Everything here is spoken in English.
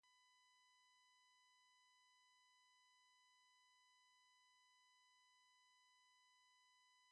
The battle group was attacked by submarines while sailing through the Palawan Passage.